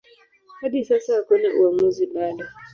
Hadi sasa hakuna uamuzi bado.